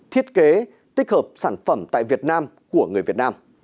thiết kế tích hợp sản phẩm tại việt nam của người việt nam